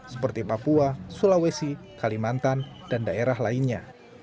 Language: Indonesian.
seperti papua sulawesi kalimantan dan daerah lainnya